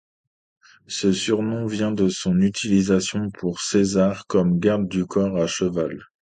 Son surnom vient de son utilisation par César comme garde du corps à cheval.